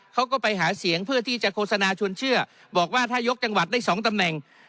เขาก็ไปหาเสียงเพื่อที่จะโฆษณาชวนเชื่อบอกว่าถ้ายกจังหวัดได้สองตำแหน่ง